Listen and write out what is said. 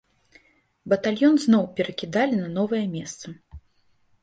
Батальён зноў перакідалі на новае месца.